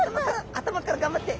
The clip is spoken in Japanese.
頭から頑張って！